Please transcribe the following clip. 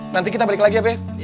nanti kita balik lagi ya be